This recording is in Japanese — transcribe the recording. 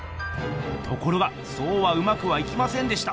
ところがそうはうまくはいきませんでした。